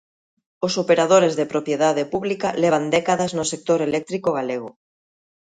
Os operadores de propiedade pública levan décadas no sector eléctrico galego.